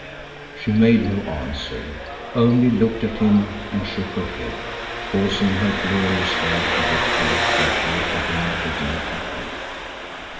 She made no answer, only looked at him and shook her head, causing her glorious hair to ripple like water beneath a gentle breeze.